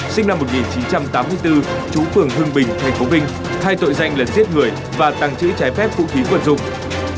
sinh năm một nghìn chín trăm tám mươi bốn chú phường hương bình thành phố vinh thay tội dạy lần giết người và tăng chữ trái phép vũ khí quân dục